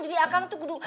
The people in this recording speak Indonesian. jadi kang tuh kudu